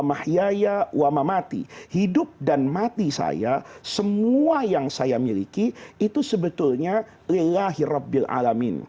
mahyaya wa mamati hidup dan mati saya semua yang saya miliki itu sebetulnya lillahi rabbil alamin